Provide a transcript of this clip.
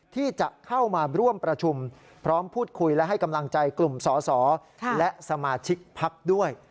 ที่จะเข้ามาร่วมประชุมพร้อมพูดคุยและให้กำลังใจกลุ่มสอสอและสมาชิกพักด้วย